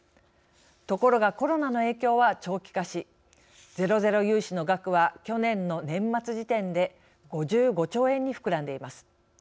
ところがコロナの影響は長期化しゼロゼロ融資の額は去年の年末時点で５５兆円に膨らんでいます。